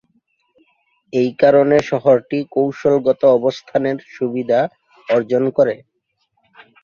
এই কারণে শহরটি কৌশলগত অবস্থানের সুবিধা অর্জন করে।